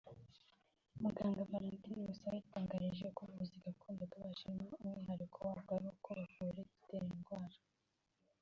Muganga Valentine Musabe yadutangarije ko ubuvuzi Gakondo bw’Abashinwa umwihariko wabwo ari uko bavura igitera indwara